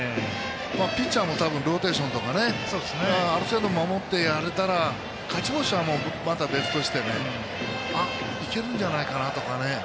ピッチャーも多分ローテーションとかある程度、守ってやれたら勝ち星はまた別としていけるんじゃないかなとかね。